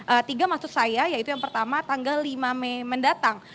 ada tiga maksud saya yaitu yang pertama tanggal lima mei mendatang